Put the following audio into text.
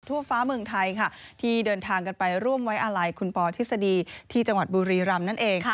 ทั่วฟ้าเมืองไทยค่ะที่เดินทางกันไปร่วมไว้อาลัยคุณปอทฤษฎีที่จังหวัดบุรีรำนั่นเอง